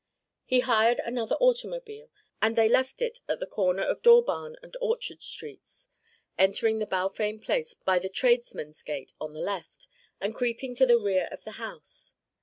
He hired another automobile, and they left it at the corner of Dawbarn and Orchard Streets, entering the Balfame place by the tradesmen's gate on the left, and creeping to the rear of the house.